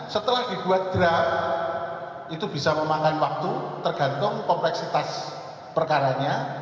setelah dibuat draft itu bisa memakan waktu tergantung kompleksitas perkaranya